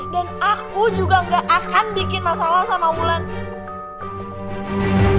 dan aku juga gak akan bikin masalah sama ulan juga